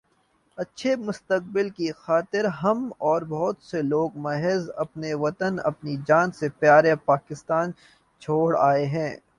اچھے مستقبل کی خاطر ہم اور بہت سے لوگ محض اپنا وطن اپنی جان سے پیا را پاکستان چھوڑ آئے ہیں